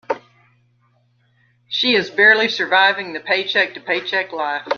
She is barely surviving the paycheck to paycheck life.